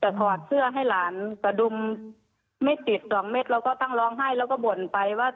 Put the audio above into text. แต่ถอดเสื้อให้หลานกระดุมไม่ติดสองเม็ดเราก็ตั้งร้องไห้แล้วก็บ่นไปว่า